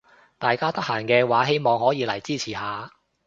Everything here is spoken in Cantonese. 大家得閒嘅話希望可以嚟支持下